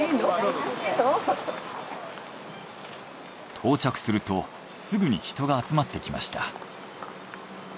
到着するとすぐに人が集まってきました。